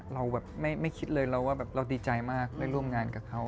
เราแบบไม่คิดเลยเราว่าแบบเราดีใจมากได้ร่วมงานกับเขา